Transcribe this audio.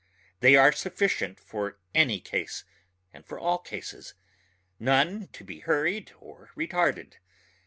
they are sufficient for any case and for all cases ... none to be hurried or retarded